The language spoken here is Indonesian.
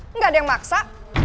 enggak ada yang maksa